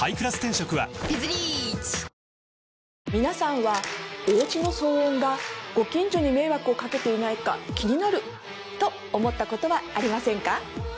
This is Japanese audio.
皆さんはおうちの騒音がご近所に迷惑をかけていないか気になると思ったことはありませんか？